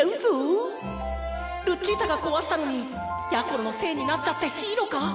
ルチータがこわしたのにやころのせいになっちゃっていいのか？